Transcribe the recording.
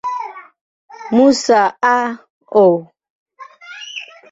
Musa, A. O.